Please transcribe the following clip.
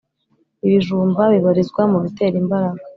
Ibijumba bibarizwa mubitera imbaraga